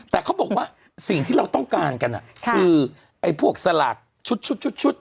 แต่เขาบอกว่าสิ่งที่เราต้องการกันคือไอ้พวกสลากชุด